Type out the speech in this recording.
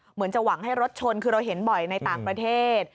เหมือนจะหวังให้รถชนคือเราเห็นบ่อยในต่างประเทศ